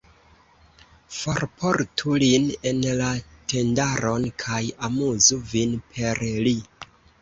Forportu lin en la tendaron, kaj amuzu vin per li.